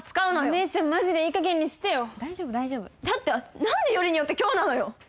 お姉ちゃんマジでいい加減にしてよ大丈夫大丈夫だって何でよりによって今日なのよ